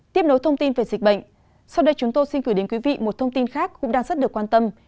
tiếp nối thông tin về dịch bệnh sau đây chúng tôi xin gửi đến quý vị một thông tin khác cũng đang rất được quan tâm